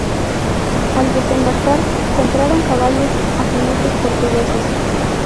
Al desembarcar compraron caballos a jinetes portugueses.